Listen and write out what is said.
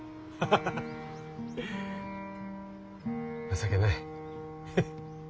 情けない。